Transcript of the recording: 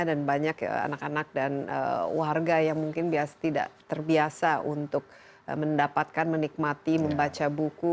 dan banyak anak anak dan warga yang mungkin tidak terbiasa untuk mendapatkan menikmati membaca buku